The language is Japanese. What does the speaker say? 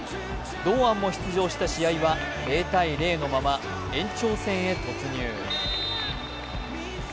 堂安も出場した試合は０−０のまま延長戦へ突入。